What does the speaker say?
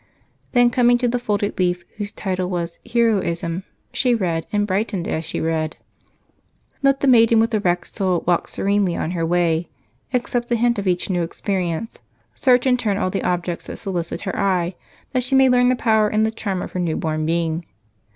Then, coming to the folded page, whose title was "Heroism," she read, and brightened as she read: "'Let the maiden, with erect soul, walk serenely on her way; accept the hint of each new experience; search in turn all the objects that solicit her eye, that she may learn the power and the charm of her newborn being.'